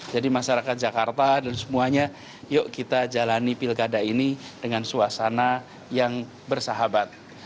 jadi masyarakat jakarta dan semuanya yuk kita jalani pilkada ini dengan suasana yang bersahabat